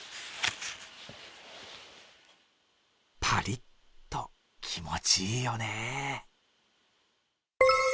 パリッと気持ちいいよねぇ。